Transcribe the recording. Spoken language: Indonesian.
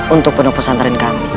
untuk penuh pesantren kami